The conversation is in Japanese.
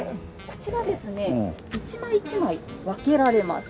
こちらですね一枚一枚分けられます。